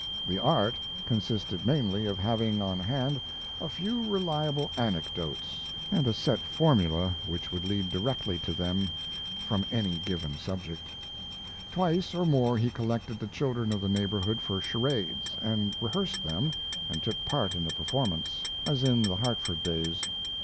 The "art" consisted mainly of having on hand a few reliable anecdotes and a set formula which would lead directly to them from any given subject. Twice or more he collected the children of the neighborhood for charades and rehearsed them, and took part in the performance, as in the Hartford days.